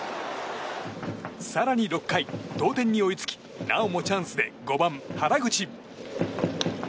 更に６回、同点に追いつきなおもチャンスで５番、原口。